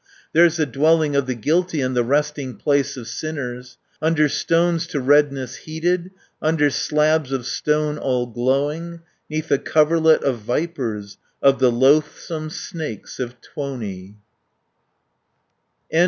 There's the dwelling of the guilty, And the resting place of sinners, Under stones to redness heated, Under slabs of stone all glowing, 410 'Neath a coverlet of vipers, Of the loathsome snakes of Tuoni."